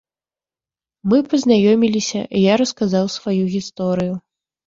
Мы пазнаёміліся, я расказаў сваю гісторыю.